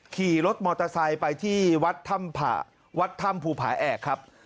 ขี่รถมอเตอร์ไซค์ไปที่วัดธรรมภูภาแอกครับ